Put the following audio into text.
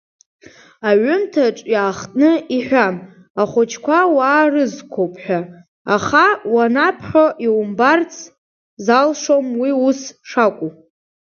Аҩымҭаҿ иаахтны иҳәам, ахәыҷқәа уаа рызқәоуп ҳәа, аха уанаԥхьо иумбарц залшом уи ус шакәу.